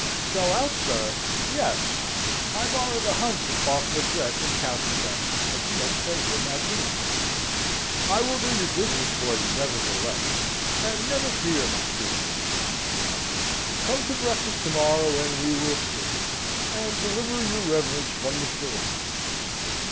"Sell out, sir? Yes! I borrowed a hundred off Mackreth in counters last night, and must pay him at dinner time. I will do your business for you nevertheless, and never fear, my good Mr. Sampson. Come to breakfast to morrow, and we will see and deliver your reverence from the Philistines."